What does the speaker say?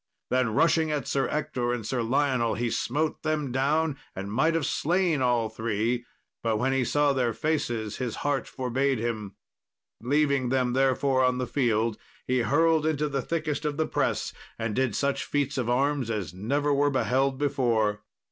Then rushing at Sir Ector and Sir Lionel, he smote them down, and might have slain all three, but when he saw their faces his heart forbade him. Leaving them, therefore, on the field, he hurled into the thickest of the press, and did such feats of arms as never were beheld before.